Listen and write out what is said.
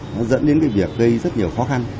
nó dẫn đến cái việc gây rất nhiều khó khăn